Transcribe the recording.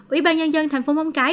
ủy ban nhân dân thành phố móng cái